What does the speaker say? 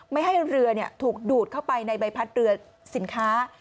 ไม่ให้เรือถูกดูดเข้าไปในใบพัดเรือสินค้า